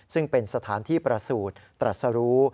ซึ่งเป็นสถานที่ประสูจน์ตรัสรู้